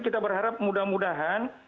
kita berharap mudah mudahan